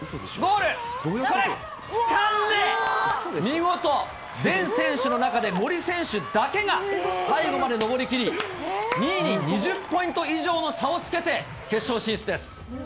これ、つかんで、見事、全選手の中で森選手だけが最後まで登り切り、２位に２０ポイント以上の差をつけて、決勝進出です。